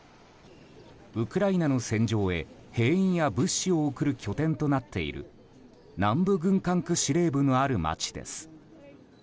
ウクライナの戦場へ兵員や物資を送る拠点となっている南部軍管区司令部の街です。